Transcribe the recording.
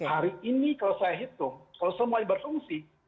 hari ini kalau saya hitung kalau semuanya berfungsi